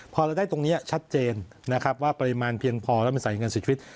พอเราได้ตรงนี้ชัดเจนว่าปริมาณเพียงพอแล้วมันสายเห็นการเสียชีวิต